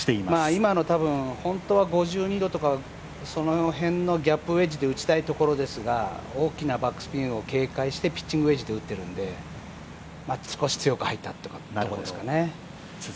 今の本当は５２度とかその辺のギャップウェッジで打ちたいところですが、大きなバックスピンを警戒してピッチングウェッジで打っているので少し強く入ったというところですかね。